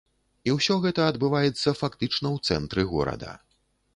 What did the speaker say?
І ўсё гэта адбываецца фактычна ў цэнтры горада.